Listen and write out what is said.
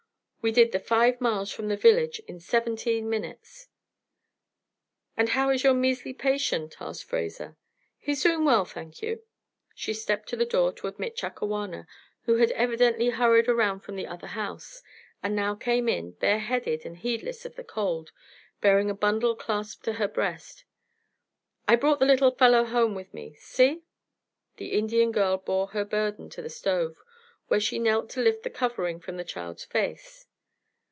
We did the five miles from the village in seventeen minutes." "And how is your measley patient?" asked Fraser. "He's doing well, thank you." She stepped to the door to admit Chakawana, who had evidently hurried around from the other house, and now came in, bareheaded and heedless of the cold, bearing a bundle clasped to her breast. "I brought the little fellow home with me. See!" The Indian girl bore her burden to the stove, where she knelt to lift the covering from the child's face.